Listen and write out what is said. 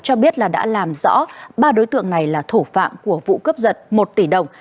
cho biết đã làm rõ ba đối tượng này là thổ phạm của vụ cướp giật một tỷ đồng